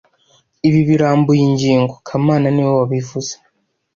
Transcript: Ibi birambuye ingingo kamana niwe wabivuze